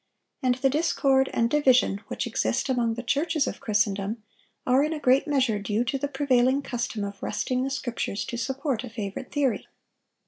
And the discord and division which exist among the churches of Christendom are in a great measure due to the prevailing custom of wresting the Scriptures to support a favorite theory.